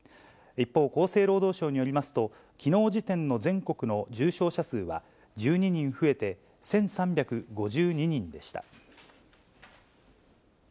一方、厚生労働省によりますと、きのう時点の全国の重症者数は１２人増えて１３５２人でした。